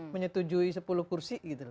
menyetujui sepuluh kursi